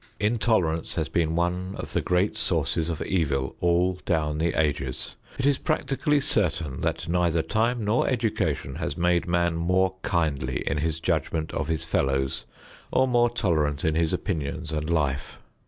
Intolerance has been one of the great sources of evil all down the ages. It is practically certain that neither time nor education has made man more kindly in his judgment of his fellows or more tolerant in his opinions and life.